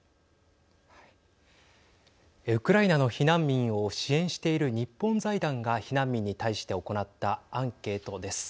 ウクライナの避難民を支援している日本財団が避難民に対して行ったアンケートです。